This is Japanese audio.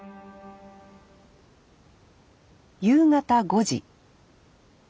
夕方５時。